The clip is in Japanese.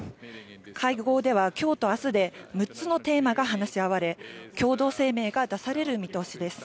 会合では今日と明日で６つのテーマが話し合われ、共同声明が出される見通しです。